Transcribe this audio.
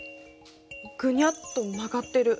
ぐにゃっと曲がってる。